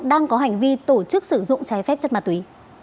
đang có hành vi tổ chức sử dụng trái phép chất ma túy